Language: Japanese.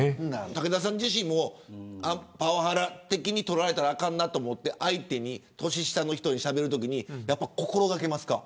武田さん自身もパワハラ的に取られたらあかんなと思って年下の人にしゃべるときに心掛けますか。